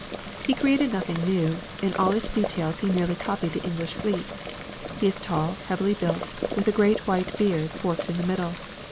He created nothing new; in all its details he merely copied the English fleet. He is tall, heavily built, with a great white beard, forked in the middle.